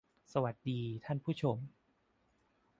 สวัสดีท่านผู้ชม